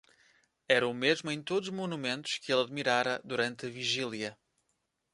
Era o mesmo em todos os monumentos que ele admirara durante a vigília.